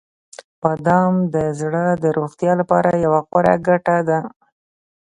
• بادام د زړه د روغتیا لپاره یوه غوره ګټه ده.